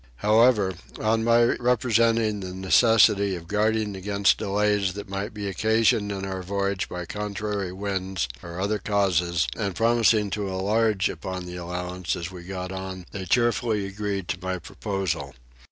However on my representing the necessity of guarding against delays that might be occasioned in our voyage by contrary winds, or other causes, and promising to enlarge upon the allowance as we got on, they cheerfully agreed to my proposal.